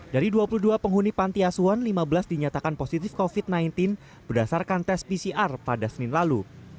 dari dua puluh dua penghuni panti asuhan lima belas dinyatakan positif covid sembilan belas berdasarkan tes pcr pada senin lalu